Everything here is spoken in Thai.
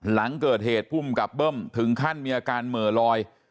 หลังเกิดเหตุภูมิกับเบิ้มถึงขั้นมีอาการเหม่อลอย